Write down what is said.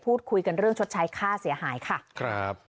พูดคุยกันเรื่องชดใช้ค่าเสียหายค่ะครับ